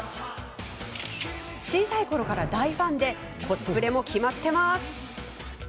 小さいころから大ファンでコスプレも決まってます。